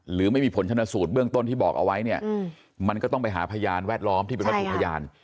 หรือไม่มีผลชนสูตรเบื้องต้นที่บอกเอาไว้เนี่ยมันก็ต้องไปหาพยานแวดล้อมที่เป็นวัตถุพยาน